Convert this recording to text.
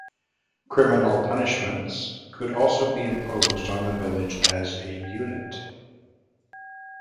Criminal punishments could also be imposed on the village as a unit.